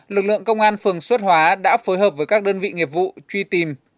lực lượng công an phường xuất hóa đã phối hợp với các đơn vị nghiệp vụ truy tìm